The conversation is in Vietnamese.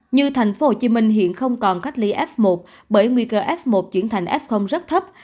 như thành phố hồ chí minh hiện không còn cách ly f một bởi nguy cơ f một chuyển thành f rất thấp